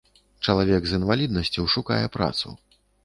Чалавек з інваліднасцю шукае працу.